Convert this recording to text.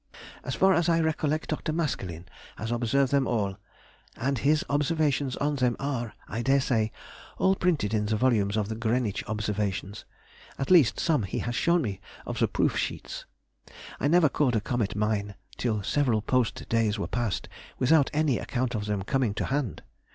As far as I recollect, Dr. Maskelyne has observed them all, and his observations on them are, I daresay, all printed in the volumes of the Greenwich Observations—at least of some he has shown me the proof sheets. I never called a comet mine till several post days were passed without any account of them coming to hand.